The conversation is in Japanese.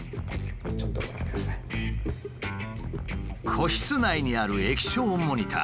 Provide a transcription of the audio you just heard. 個室内にある液晶モニター。